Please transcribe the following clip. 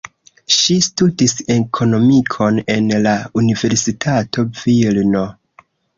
Ŝi studis ekonomikon en la Universitato Vilno.